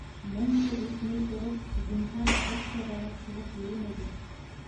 Мең йыл үтмәй тороп, зинһар, бер ҡайҙа ла сығып йөрөмәгеҙ.